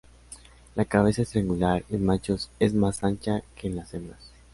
La cabeza es triangular, en machos es más ancha que en las hembras.